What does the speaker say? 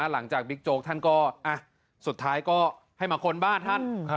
บิ๊กโจ๊กท่านก็สุดท้ายก็ให้มาค้นบ้านท่าน